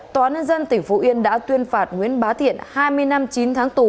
tòa nân dân tỉnh phú yên đã tuyên phạt nguyễn bá thiện hai mươi năm chín tháng tù